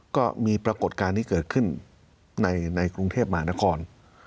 ปรากฏการณ์ที่เกิดขึ้นในกรุงเทพมหานคร